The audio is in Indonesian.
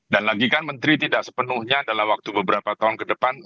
dan lagi kan menteri tidak sepenuhnya dalam waktu beberapa tahun ke depan